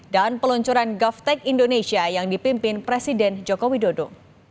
dan peluncuran govtech indonesia yang dipimpin presiden joko widodo